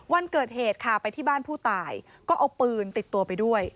วันเกิดเหตุค่ะไปที่บ้านผู้ตายก็เอาปืนติดตัวไปด้วย